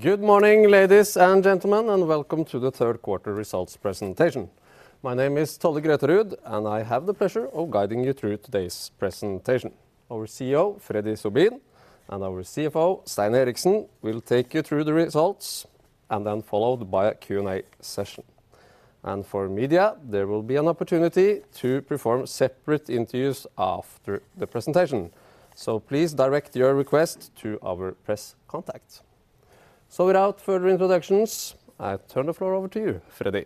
Good morning, ladies and gentlemen, and welcome to the third quarter results presentation. My name is Tolle Grøterud, and I have the pleasure of guiding you through today's presentation. Our CEO, Freddy Sobin, and our CFO, Stein Eriksen, will take you through the results, and then followed by a Q&A session. For media, there will be an opportunity to perform separate interviews after the presentation. Please direct your request to our press contact. Without further introductions, I turn the floor over to you, Freddy.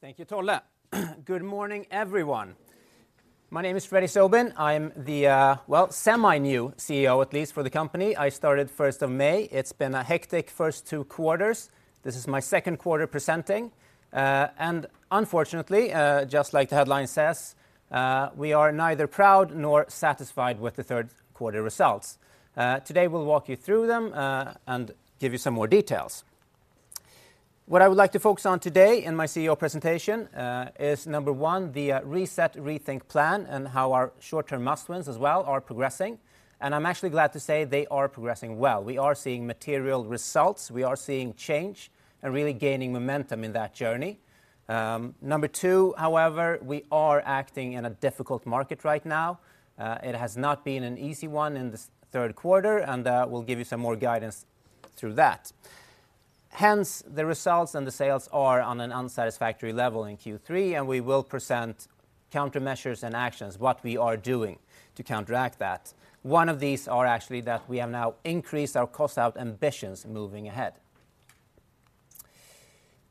Thank you, Tolle. Good morning, everyone. My name is Freddy Sobin. I'm the, well, semi-new CEO, at least for the company. I started first of May. It's been a hectic first two quarters. This is my second quarter presenting. Unfortunately, just like the headline says, we are neither proud nor satisfied with the third quarter results. Today, we'll walk you through them, and give you some more details. What I would like to focus on today in my CEO presentation, is number one, the Reset, Rethink plan and how our short-term must-wins as well are progressing, and I'm actually glad to say they are progressing well. We are seeing material results. We are seeing change and really gaining momentum in that journey. Number two, however, we are acting in a difficult market right now. It has not been an easy one in this third quarter, and we'll give you some more guidance through that. Hence, the results and the sales are on an unsatisfactory level in Q3, and we will present countermeasures and actions, what we are doing to counteract that. One of these are actually that we have now increased our cost-out ambitions moving ahead.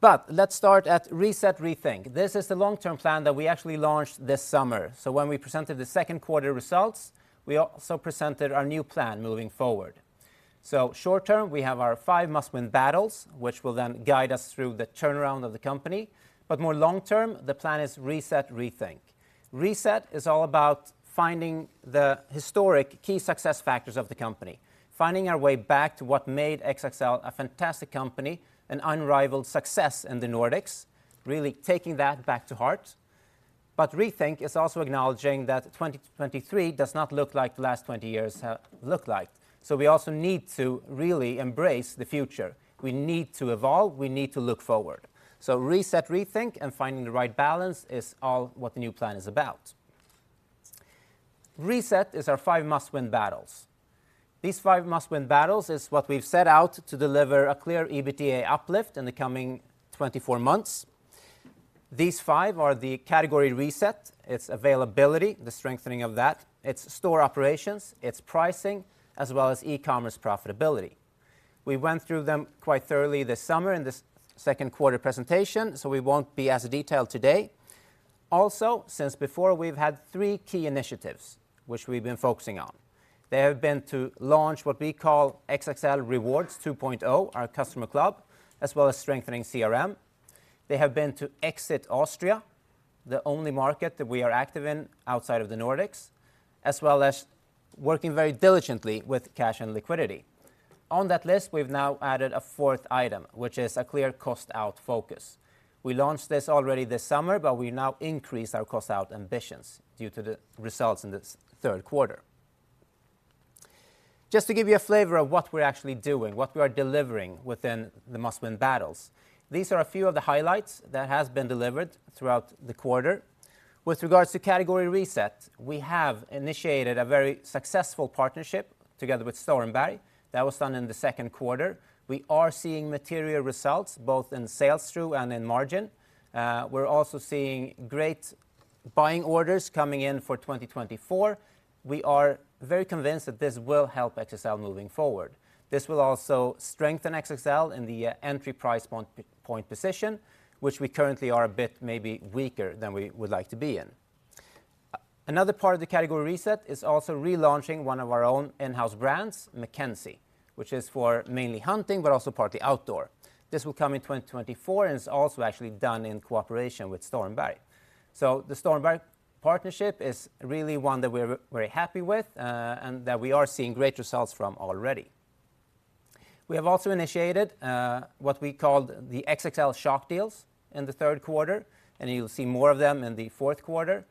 But let's start at Reset, Rethink. This is the long-term plan that we actually launched this summer. So when we presented the second quarter results, we also presented our new plan moving forward. So short term, we have our five Must-Win Battles, which will then guide us through the turnaround of the company. But more long term, the plan is Reset, Rethink. Reset is all about finding the historic key success factors of the company, finding our way back to what made XXL a fantastic company, an unrivaled success in the Nordics, really taking that back to heart. But Rethink is also acknowledging that 2023 does not look like the last twenty years have looked like. So we also need to really embrace the future. We need to evolve, we need to look forward. So Reset, Rethink, and finding the right balance is all what the new plan is about. Reset is our five Must-Win Battles. These five Must-Win Battles is what we've set out to deliver a clear EBITDA uplift in the coming 24 months. These five are the category reset, its availability, the strengthening of that, its store operations, its pricing, as well as e-commerce profitability. We went through them quite thoroughly this summer in this second quarter presentation, so we won't be as detailed today. Also, since before, we've had three key initiatives, which we've been focusing on. They have been to launch what we call XXL Rewards 2.0, our customer club, as well as strengthening CRM. They have been to exit Austria, the only market that we are active in outside of the Nordics, as well as working very diligently with cash and liquidity. On that list, we've now added a fourth item, which is a clear cost-out focus. We launched this already this summer, but we now increase our Cost-out ambitions due to the results in this third quarter. Just to give you a flavor of what we're actually doing, what we are delivering within the Must-Win Battles, these are a few of the highlights that has been delivered throughout the quarter. With regards to category reset, we have initiated a very successful partnership together with Stormberg. That was done in the second quarter. We are seeing material results, both in sell-through and in margin. We're also seeing great buying orders coming in for 2024. We are very convinced that this will help XXL moving forward. This will also strengthen XXL in the entry price point position, which we currently are a bit maybe weaker than we would like to be in. Another part of the category reset is also relaunching one of our own in-house brands, Mackenzie, which is for mainly hunting, but also part outdoor. This will come in 2024, and it's also actually done in cooperation with Stormberg. So the Stormberg partnership is really one that we're very happy with, and that we are seeing great results from already. We have also initiated what we called the XXL Shock Deals in the third quarter, and you'll see more of them in the fourth quarter.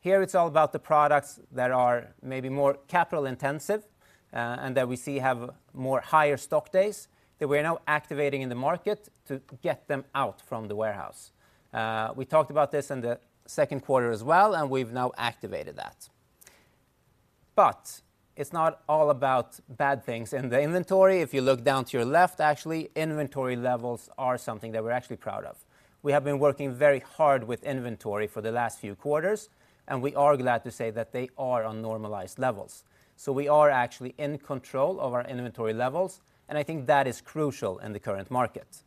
Here, it's all about the products that are maybe more capital intensive, and that we see have more higher stock days, that we're now activating in the market to get them out from the warehouse. We talked about this in the second quarter as well, and we've now activated that. But it's not all about bad things in the inventory. If you look down to your left, actually, inventory levels are something that we're actually proud of. We have been working very hard with inventory for the last few quarters, and we are glad to say that they are on normalized levels. So we are actually in control of our inventory levels, and I think that is crucial in the current market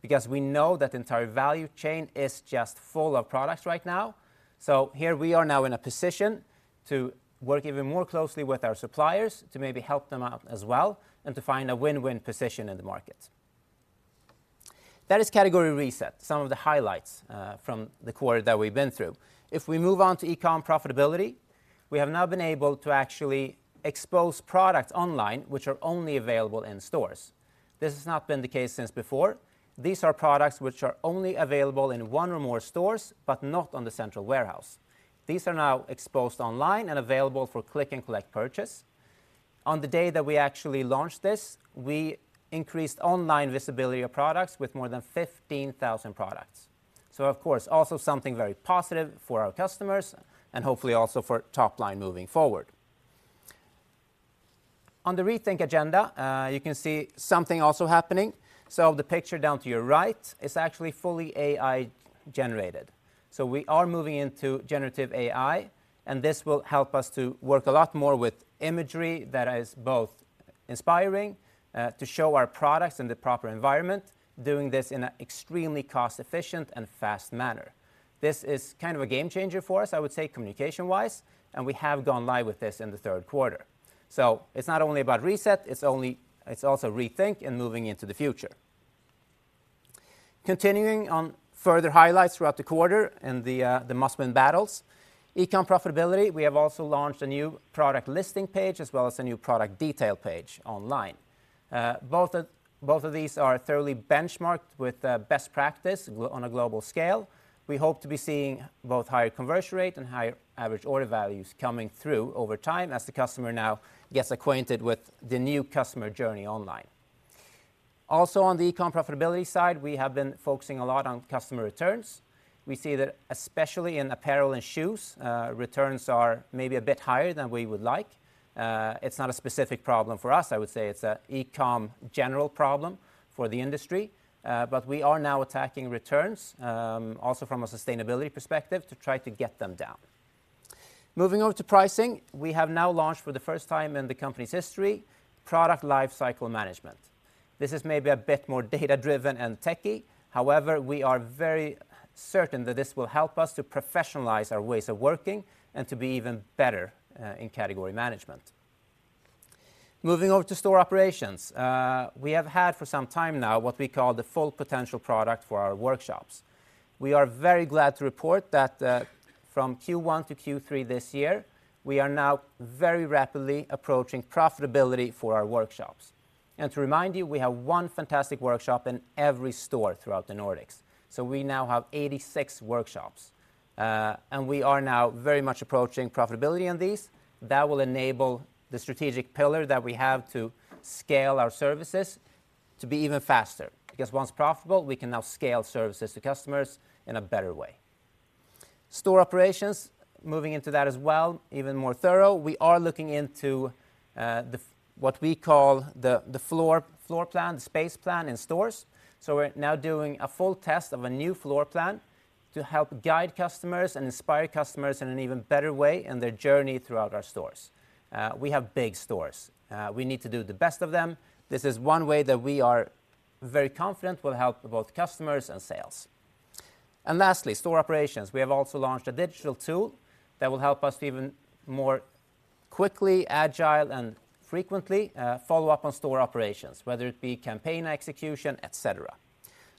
because we know that the entire value chain is just full of products right now. So here we are now in a position to work even more closely with our suppliers to maybe help them out as well and to find a win-win position in the market. That is category reset, some of the highlights from the quarter that we've been through. If we move on to e-com profitability, we have now been able to actually expose products online, which are only available in stores. This has not been the case since before. These are products which are only available in one or more stores, but not on the central warehouse. These are now exposed online and available for click-and-collect purchase. On the day that we actually launched this, we increased online visibility of products with more than 15,000 products. So of course, also something very positive for our customers, and hopefully also for top line moving forward. On the rethink agenda, you can see something also happening. So the picture down to your right is actually fully AI-generated. So we are moving into generative AI, and this will help us to work a lot more with imagery that is both inspiring, to show our products in the proper environment, doing this in an extremely cost-efficient and fast manner. This is kind of a game changer for us, I would say, communication-wise, and we have gone live with this in the third quarter. So it's not only about reset, it's also rethink and moving into the future. Continuing on further highlights throughout the quarter and the Must-Win Battles. E-com profitability, we have also launched a new product listing page, as well as a new product detail page online. Both of these are thoroughly benchmarked with best practice on a global scale. We hope to be seeing both higher conversion rate and higher average order values coming through over time as the customer now gets acquainted with the new customer journey online. Also, on the e-com profitability side, we have been focusing a lot on customer returns. We see that especially in apparel and shoes, returns are maybe a bit higher than we would like. It's not a specific problem for us. I would say it's a e-com general problem for the industry, but we are now attacking returns, also from a sustainability perspective, to try to get them down. Moving over to pricing, we have now launched for the first time in the company's history, Product Lifecycle Management. This is maybe a bit more data-driven and techy. However, we are very certain that this will help us to professionalize our ways of working and to be even better in category management. Moving over to store operations. We have had for some time now, what we call the full potential product for our workshops. We are very glad to report that, from Q1 to Q3 this year, we are now very rapidly approaching profitability for our workshops. To remind you, we have one fantastic workshop in every store throughout the Nordics. So we now have 86 workshops, and we are now very much approaching profitability on these. That will enable the strategic pillar that we have to scale our services to be even faster, because once profitable, we can now scale services to customers in a better way. Store operations, moving into that as well, even more thorough. We are looking into what we call the floor plan, space plan in stores. So we're now doing a full test of a new floor plan to help guide customers and inspire customers in an even better way in their journey throughout our stores. We have big stores. We need to do the best of them. This is one way that we are very confident will help both customers and sales. And lastly, store operations. We have also launched a digital tool that will help us to even more quickly, agile, and frequently, follow up on store operations, whether it be campaign execution, et cetera.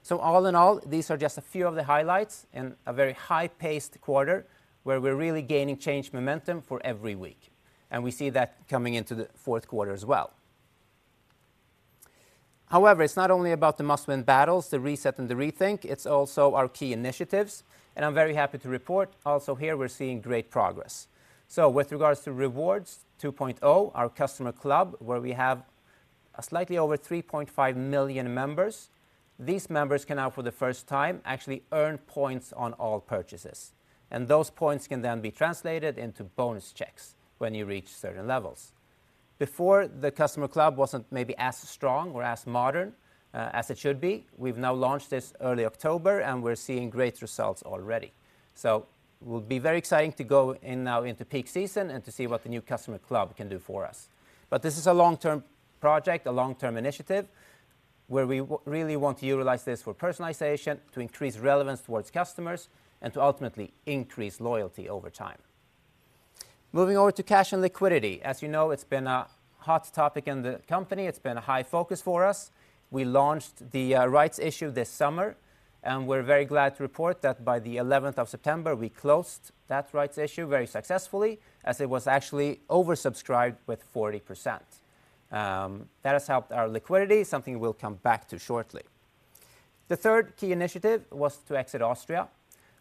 So all in all, these are just a few of the highlights in a very high-paced quarter, where we're really gaining change momentum for every week, and we see that coming into the fourth quarter as well. However, it's not only about the Must-Win Battles, the Reset and the Rethink, it's also our key initiatives, and I'm very happy to report also here we're seeing great progress. So with regards to Rewards 2.0, our customer club, where we have slightly over 3.5 million members, these members can now, for the first time, actually earn points on all purchases. And those points can then be translated into bonus checks when you reach certain levels. Before, the customer club wasn't maybe as strong or as modern as it should be. We've now launched this early October, and we're seeing great results already. So will be very exciting to go in now into peak season and to see what the new customer club can do for us. But this is a long-term project, a long-term initiative, where we really want to utilize this for personalization, to increase relevance towards customers, and to ultimately increase loyalty over time. Moving over to cash and liquidity. As you know, it's been a hot topic in the company. It's been a high focus for us. We launched the Rights Issue this summer, and we're very glad to report that by the eleventh of September, we closed that Rights Issue very successfully, as it was actually oversubscribed with 40%. That has helped our liquidity, something we'll come back to shortly. The third key initiative was to exit Austria.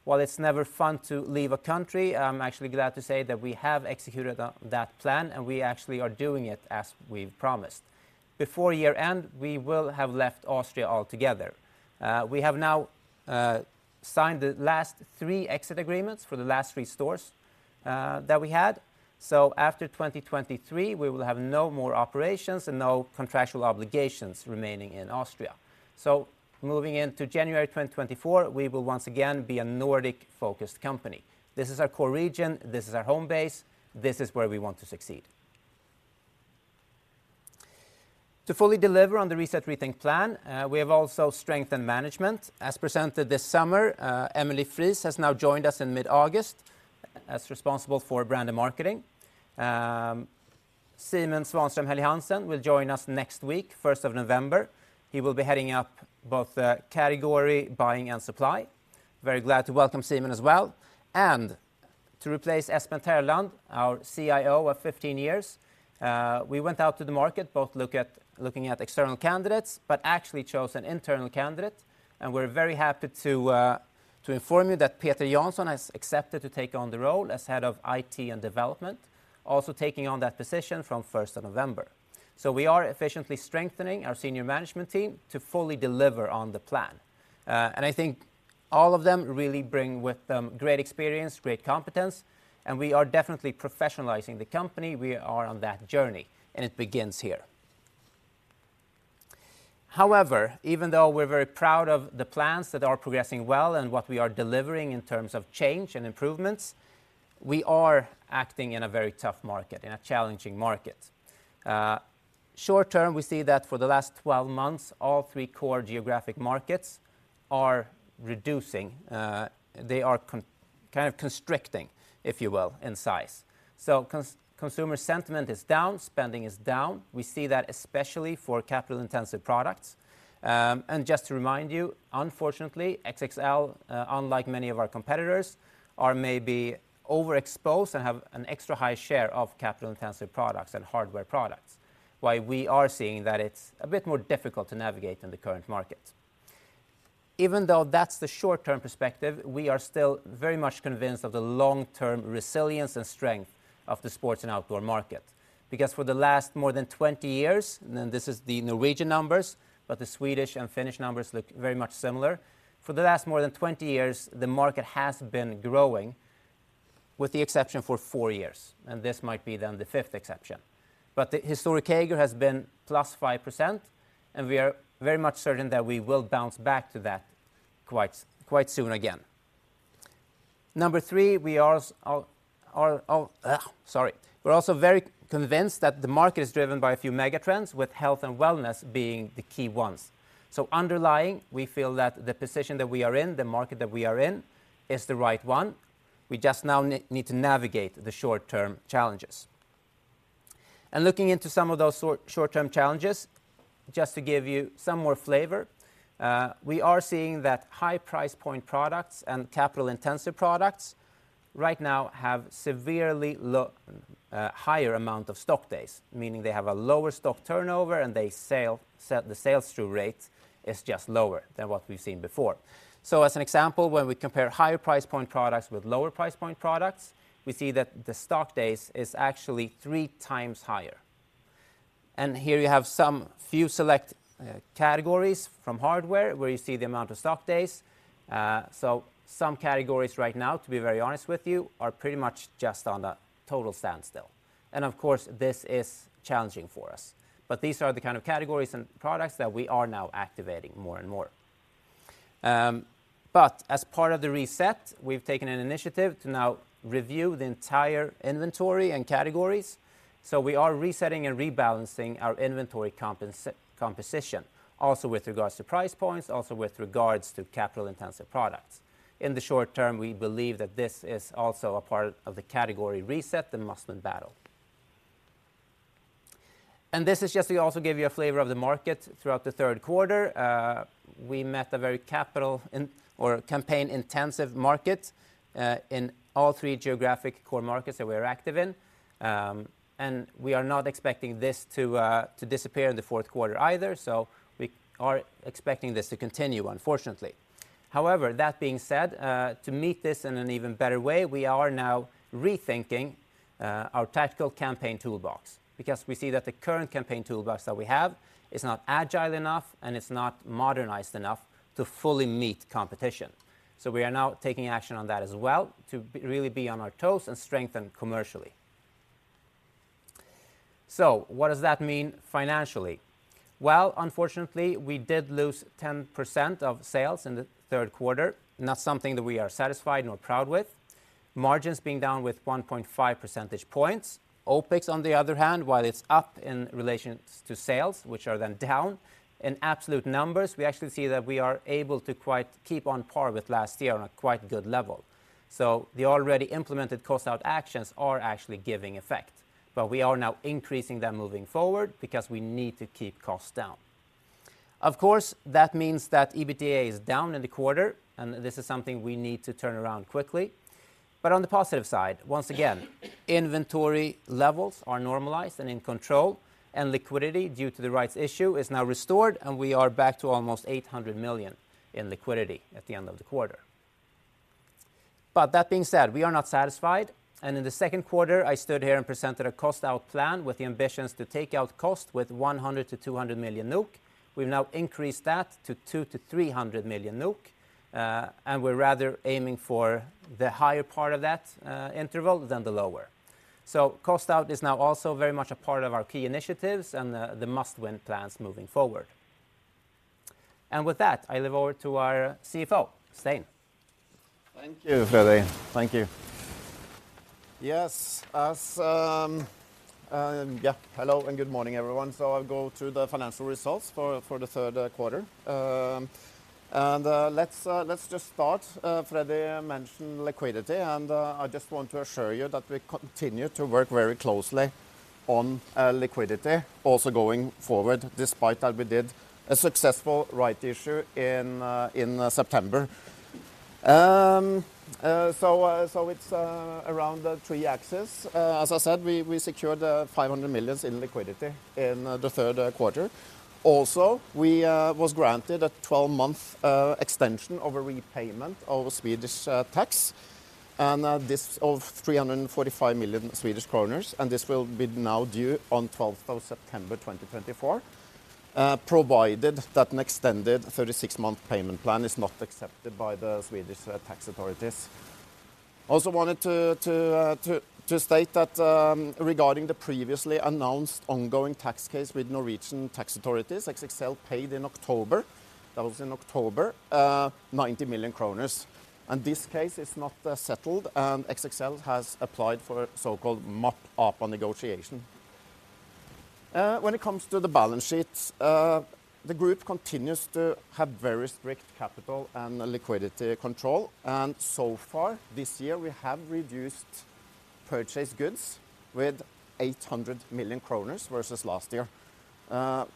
While it's never fun to leave a country, I'm actually glad to say that we have executed that plan, and we actually are doing it as we've promised. Before year-end, we will have left Austria altogether. We have now signed the last three exit agreements for the last three stores that we had. So after 2023, we will have no more operations and no contractual obligations remaining in Austria. So moving into January 2024, we will once again be a Nordic-focused company. This is our core region, this is our home base, this is where we want to succeed. To fully deliver on the Reset, Rethink plan, we have also strengthened management. As presented this summer, Emelie Friis has now joined us in mid-August as responsible for brand and marketing. Simen Swanstrøm Helly-Hansen will join us next week, first of November. He will be heading up both category, buying, and supply. Very glad to welcome Simen as well. To replace Espen Terland, our CIO of 15 years, we went out to the market, both looking at external candidates, but actually chose an internal candidate. And we're very happy to inform you that Petter Jansson has accepted to take on the role as Head of IT and Development, also taking on that position from first of November. So we are efficiently strengthening our senior management team to fully deliver on the plan. And I think all of them really bring with them great experience, great competence, and we are definitely professionalizing the company. We are on that journey, and it begins here. However, even though we're very proud of the plans that are progressing well and what we are delivering in terms of change and improvements, we are acting in a very tough market, in a challenging market. Short term, we see that for the last 12 months, all three core geographic markets are reducing, they are kind of constricting, if you will, in size. So consumer sentiment is down, spending is down. We see that especially for capital-intensive products. And just to remind you, unfortunately, XXL, unlike many of our competitors, are maybe overexposed and have an extra high share of capital-intensive products and hardware products. Why we are seeing that it's a bit more difficult to navigate in the current market. Even though that's the short-term perspective, we are still very much convinced of the long-term resilience and strength of the sports and outdoor market. Because for the last more than 20 years, and then this is the Norwegian numbers, but the Swedish and Finnish numbers look very much similar. For the last more than 20 years, the market has been growing, with the exception for four years, and this might be then the fifth exception. But the historic CAGR has been +5%, and we are very much certain that we will bounce back to that quite, quite soon again. Number three, we're also very convinced that the market is driven by a few mega trends, with health and wellness being the key ones. So underlying, we feel that the position that we are in, the market that we are in, is the right one. We just now need to navigate the short-term challenges. Looking into some of those short-term challenges, just to give you some more flavor, we are seeing that high price point products and capital-intensive products right now have severely higher amount of stock days, meaning they have a lower stock turnover and they sell. So the sell-through rate is just lower than what we've seen before. So as an example, when we compare higher price point products with lower price point products, we see that the stock days is actually three times higher. And here you have some few select categories from hardware, where you see the amount of stock days. So some categories right now, to be very honest with you, are pretty much just on a total standstill. And of course, this is challenging for us. But these are the kind of categories and products that we are now activating more and more. But as part of the reset, we've taken an initiative to now review the entire inventory and categories. So we are resetting and rebalancing our inventory composition, also with regards to price points, also with regards to capital-intensive products. In the short term, we believe that this is also a part of the category reset, the must-win battle. And this is just to also give you a flavor of the market throughout the third quarter. We met a very capital- or campaign-intensive market, in all three geographic core markets that we are active in. And we are not expecting this to disappear in the fourth quarter either, so we are expecting this to continue, unfortunately. However, that being said, to meet this in an even better way, we are now rethinking our tactical campaign toolbox, because we see that the current campaign toolbox that we have is not agile enough and it's not modernized enough to fully meet competition. So we are now taking action on that as well to really be on our toes and strengthen commercially. So what does that mean financially? Well, unfortunately, we did lose 10% of sales in the third quarter, not something that we are satisfied nor proud with. Margins being down with 1.5 percentage points. OpEx, on the other hand, while it's up in relation to sales, which are then down, in absolute numbers, we actually see that we are able to quite keep on par with last year on a quite good level. So the already implemented cost-out actions are actually giving effect, but we are now increasing them moving forward because we need to keep costs down. Of course, that means that EBITDA is down in the quarter, and this is something we need to turn around quickly. But on the positive side, once again, inventory levels are normalized and in control, and liquidity, due to the Rights Issue, is now restored, and we are back to almost 800 million in liquidity at the end of the quarter. But that being said, we are not satisfied. In the second quarter, I stood here and presented a cost out plan with the ambitions to take out cost with 100 million-200 million NOK. We've now increased that to 200 million-300 million NOK, and we're rather aiming for the higher part of that interval than the lower. So cost out is now also very much a part of our key initiatives and the, the must-win plans moving forward. And with that, I leave over to our CFO, Stein. Thank you, Freddy. Thank you. Yes. Yeah, hello, and good morning, everyone. I'll go through the financial results for the third quarter. Let's just start. Freddy mentioned liquidity, and I just want to assure you that we continue to work very closely on liquidity also going forward, despite that we did a successful rights issue in September. So it's around the three axes. As I said, we secured 500 million in liquidity in the third quarter. Also, we was granted a 12-month extension of a repayment of Swedish tax, and this of 345 million Swedish kronor, and this will be now due on twelfth of September 2024, provided that an extended 36-month payment plan is not accepted by the Swedish tax authorities. Also wanted to state that, regarding the previously announced ongoing tax case with Norwegian tax authorities, XXL paid in October, that was in October, 90 million kroner. And this case is not settled, and XXL has applied for a so-called mop-up negotiation. When it comes to the balance sheets, the group continues to have very strict capital and liquidity control, and so far this year, we have reduced purchase goods with 800 million kroner versus last year,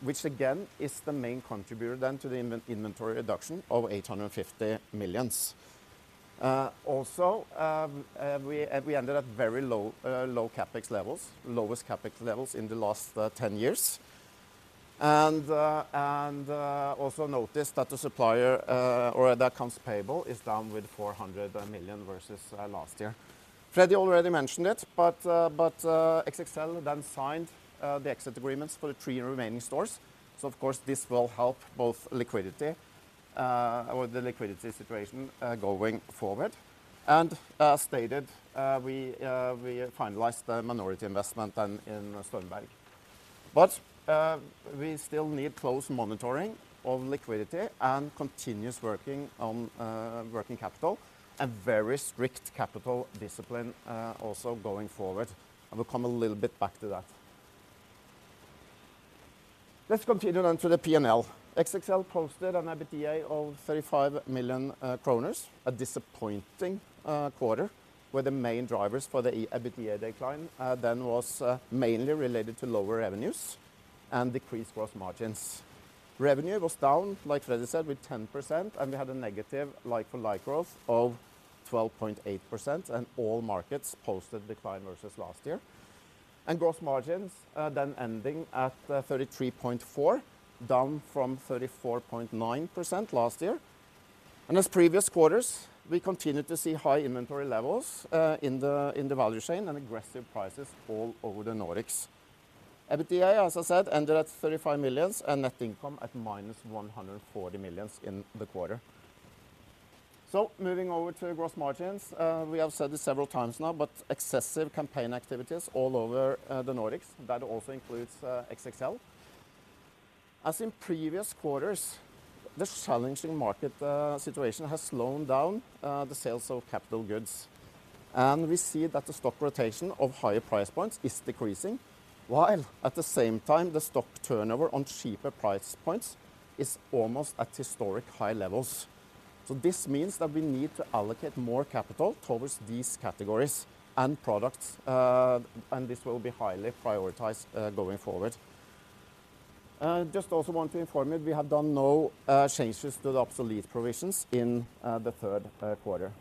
which again is the main contributor then to the inventory reduction of 850 million. Also, we ended up very low CapEx levels, lowest CapEx levels in the last 10 years. And also noticed that the supplier or the accounts payable is down with 400 million versus last year. Freddy already mentioned it, but XXL then signed the exit agreements for the three remaining stores. So of course, this will help both liquidity or the liquidity situation going forward. Stated, we, we finalized the minority investment then in Stormberg. But, we still need close monitoring of liquidity and continuous working on, working capital, and very strict capital discipline, also going forward. I will come a little bit back to that. Let's continue then to the P&L. XXL posted an EBITDA of 35 million kroner, a disappointing quarter, where the main drivers for the EBITDA decline then was mainly related to lower revenues and decreased gross margins. Revenue was down, like Freddy said, with 10%, and we had a negative like-for-like growth of 12.8%, and all markets posted decline versus last year. And gross margins then ending at 33.4%, down from 34.9% last year. As previous quarters, we continued to see high inventory levels in the value chain and aggressive prices all over the Nordics. EBITDA, as I said, ended at 35 million and net income at -140 million in the quarter. Moving over to gross margins, we have said this several times now, but excessive campaign activities all over the Nordics, that also includes XXL. As in previous quarters, the challenging market situation has slowed down the sales of capital goods, and we see that the stock rotation of higher price points is decreasing, while at the same time, the stock turnover on cheaper price points is almost at historic high levels. This means that we need to allocate more capital towards these categories and products, and this will be highly prioritized going forward. Just also want to inform you, we have done no changes to the obsolete provisions in the third quarter.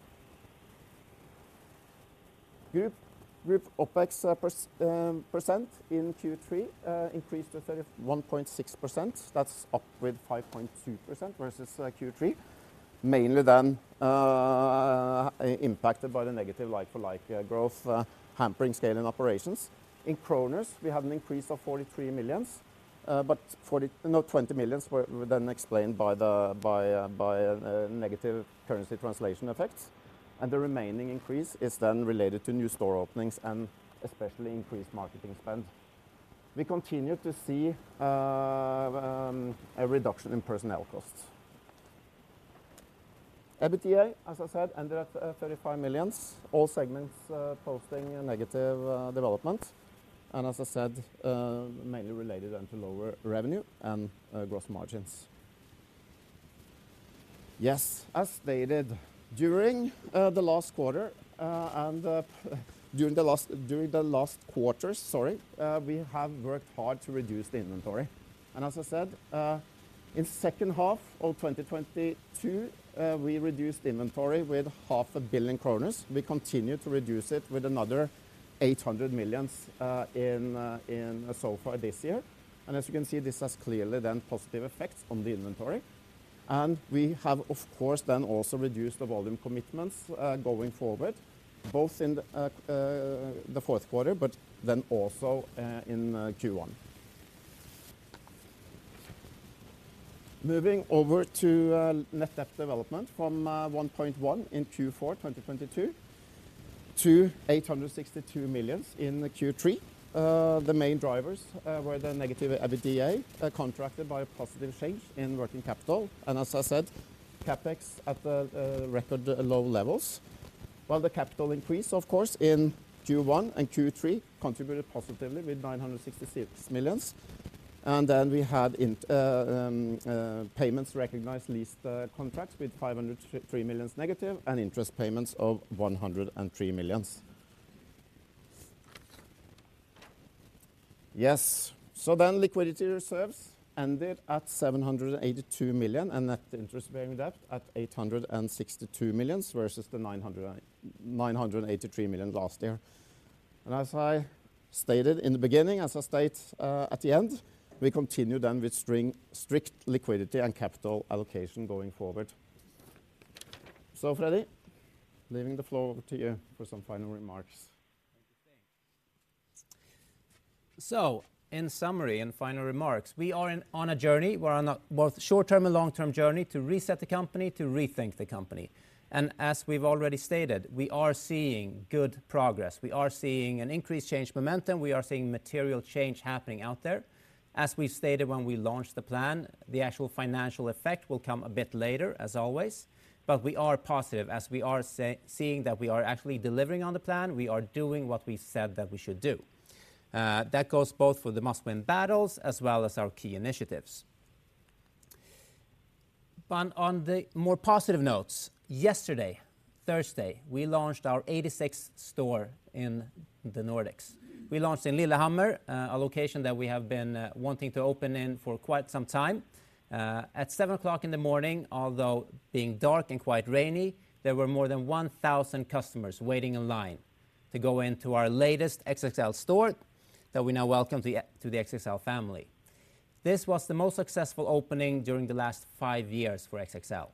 Group OpEx percent in Q3 increased to 31.6%. That's up with 5.2% versus Q3, mainly then impacted by the negative like-for-like growth hampering scale and operations. In NOK, we had an increase of 43 million, but 20 million were then explained by the negative currency translation effects, and the remaining increase is then related to new store openings and especially increased marketing spend. We continue to see a reduction in personnel costs. EBITDA, as I said, ended at 35 million, all segments posting a negative development, and as I said, mainly related then to lower revenue and growth margins. Yes, as stated, during the last quarter and during the last quarters, sorry, we have worked hard to reduce the inventory. And as I said, in second half of 2022, we reduced inventory with 500 million kroner. We continued to reduce it with another 800 million in so far this year. And as you can see, this has clearly then positive effects on the inventory. And we have, of course, then also reduced the volume commitments going forward, both in the fourth quarter, but then also in Q1. Moving over to net debt development from 1.1 billion in Q4 2022 to 862 million in Q3. The main drivers were the negative EBITDA, contracted by a positive change in working capital, and as I said, CapEx at the record low levels. While the capital increase, of course, in Q1 and Q3 contributed positively with 966 million. And then we had in payments recognized lease contracts with -503 million and interest payments of 103 million. Yes. So then liquidity reserves ended at 782 million, and net interest-bearing debt at 862 million versus the 909 million and 983 million last year. And as I stated in the beginning, as I state at the end, we continue then with strict liquidity and capital allocation going forward. So Freddy, leaving the floor over to you for some final remarks. Thank you. So in summary, in final remarks, we are on a journey. We're on a both short-term and long-term journey to reset the company, to rethink the company. And as we've already stated, we are seeing good progress. We are seeing an increased change momentum. We are seeing material change happening out there. As we stated when we launched the plan, the actual financial effect will come a bit later, as always, but we are positive as we are seeing that we are actually delivering on the plan. We are doing what we said that we should do. That goes both for the Must-Win Battles as well as our key initiatives. But on the more positive notes, yesterday, Thursday, we launched our 86th store in the Nordics. We launched in Lillehammer, a location that we have been wanting to open in for quite some time. At 7:00 A.M., although being dark and quite rainy, there were more than 1,000 customers waiting in line to go into our latest XXL store, that we now welcome to the XXL family. This was the most successful opening during the last five years for XXL.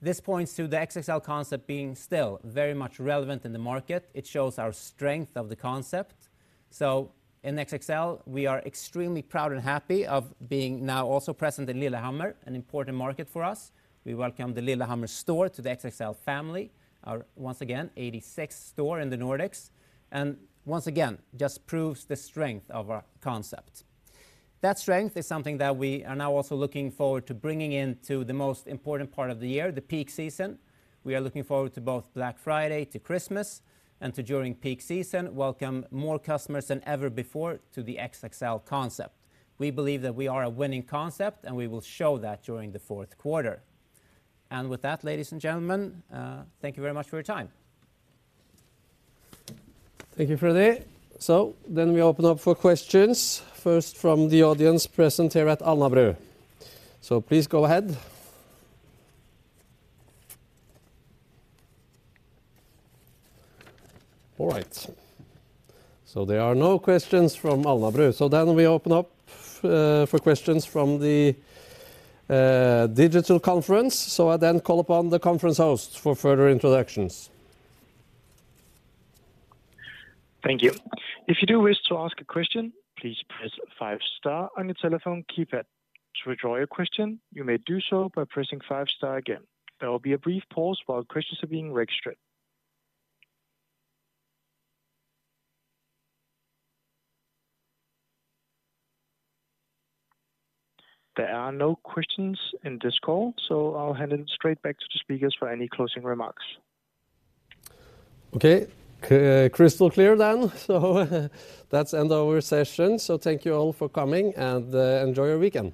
This points to the XXL concept being still very much relevant in the market. It shows our strength of the concept. So in XXL, we are extremely proud and happy of being now also present in Lillehammer, an important market for us. We welcome the Lillehammer store to the XXL family, our, once again, 86th store in the Nordics, and once again, just proves the strength of our concept. That strength is something that we are now also looking forward to bringing into the most important part of the year, the peak season. We are looking forward to both Black Friday, to Christmas, and to, during peak season, welcome more customers than ever before to the XXL concept. We believe that we are a winning concept, and we will show that during the fourth quarter. And with that, ladies and gentlemen, thank you very much for your time. Thank you, Freddy. So then we open up for questions, first from the audience present here at Alnabru. So please go ahead. All right. So there are no questions from Alnabru. So then we open up for questions from the digital conference. So I then call upon the conference host for further introductions. Thank you. If you do wish to ask a question, please press five star on your telephone keypad. To withdraw your question, you may do so by pressing five star again. There will be a brief pause while questions are being registered. There are no questions in this call, so I'll hand it straight back to the speakers for any closing remarks. Okay, crystal clear then. Let's end our session. Thank you all for coming, and enjoy your weekend.